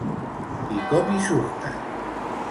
I com hi surten?